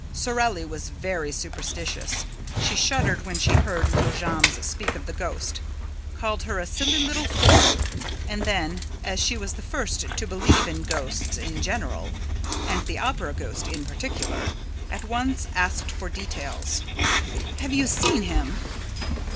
Sorelli was very superstitious. She shuddered when she heard little Jammes speak of the ghost, called her a "silly little fool" and then, as she was the first to believe in ghosts in general, and the Opera ghost in particular, at once asked for details: "Have you seen him?"